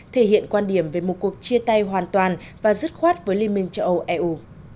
thể hiện quan điểm về một cuộc chia tay hoàn toàn và dứt khoát với liên minh châu âu eu